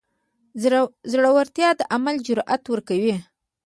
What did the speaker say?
زړورتیا د عمل جرئت ورکوي.